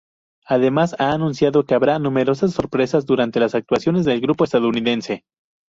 Además, han anunciado que habrá numerosas sorpresas durante las actuaciones del grupo estadounidense.